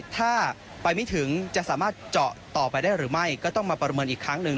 ถ้าไปไม่ถึงจะสามารถเจาะต่อไปได้หรือไม่ก็ต้องมาประเมินอีกครั้งหนึ่ง